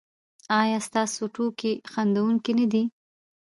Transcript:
ایا ستاسو ټوکې خندونکې نه دي؟